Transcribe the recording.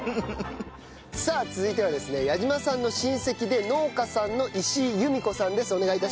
さあ続いてはですね矢島さんの親戚で農家さんの石井由美子さんです。